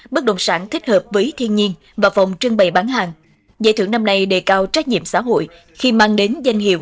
bất động sản thích hợp với thiên nhiên và phòng trưng bày bán hàng giải thưởng năm nay đề cao trách nhiệm xã hội khi mang đến danh hiệu